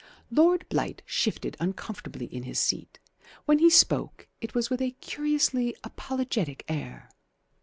Lord Blight shifted uncomfortably in his seat. When he spoke it was with a curiously apologetic air.